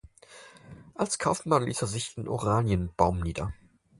Als Kaufmann ließ er sich in Oranienbaum nieder.